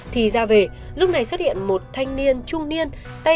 thì ra về lúc này xuất hiện một thanh niên trung niên